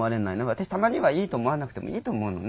私たまにはいいと思わなくてもいいと思うのね。